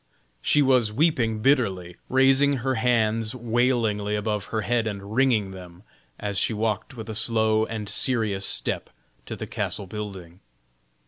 She was weeping bitterly, raising her hands wailingly above her head and wringing them, as she walked with a slow and serious step to the castle building.